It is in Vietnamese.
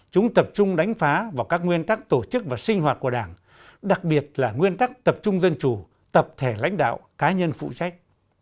chúng tập trung đánh phá vào các nguyên tắc tổ chức và sinh hoạt của đảng đặc biệt là nguyên tắc tập trung dân chủ tập thể lãnh đạo cá nhân phụ trách